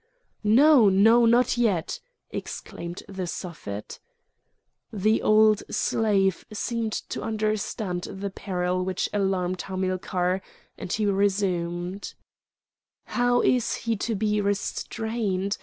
"No, no! not yet!" exclaimed the Suffet. The old slave seemed to understand the peril which alarmed Hamilcar, and he resumed: "How is he to be restrained?